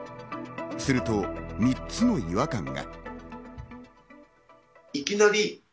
すると３つの違和感が。